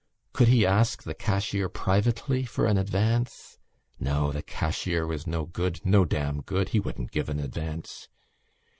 Could he ask the cashier privately for an advance? No, the cashier was no good, no damn good: he wouldn't give an advance....